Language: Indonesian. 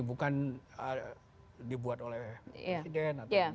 bukan dibuat oleh presiden atau dibuat oleh dpr